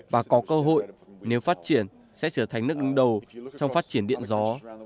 và có cơ hội nếu phát triển sẽ trở thành nước đứng đầu trong phát triển điện gió